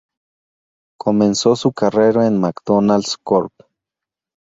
Comenzó su carrera en McDonald's Corp.